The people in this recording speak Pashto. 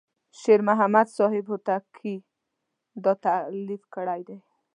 شیر محمد صاحب هوتکی دا تألیف کړی دی.